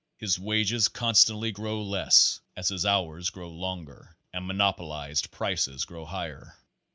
His wages con stantly grow less as his hours grow longer and monopo lized prices grow higher.